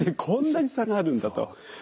こんなに差があるんだと。